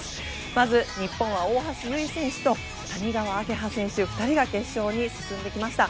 まず、日本は大橋悠依選手と谷川亜華葉選手２人が決勝に進んできました。